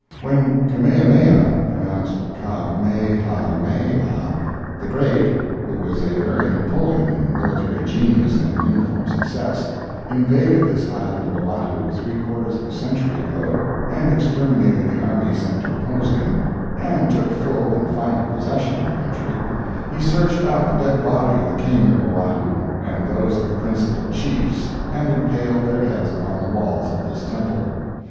When Kamehameha (pronounced Ka may ha may ah) the Great—who was a very Napoleon in military genius and uniform success—invaded this island of Oahu three quarters of a century ago, and exterminated the army sent to oppose him, and took full and final possession of the country, he searched out the dead body of the king of Oahu, and those of the principal chiefs, and impaled their heads upon the walls of this temple.